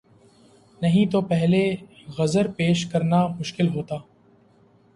نہیں تو پہلے عذر پیش کرنا مشکل ہوتا۔